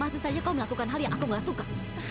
masih saja kau melakukan hal yang aku gak suka